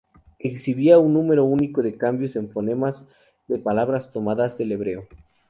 Exhibía un número único de cambios en fonemas de palabras tomadas del hebreo.